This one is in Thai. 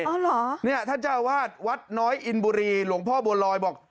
เหรอเนี่ยท่านเจ้าวาดวัดน้อยอินบุรีหลวงพ่อบัวลอยบอก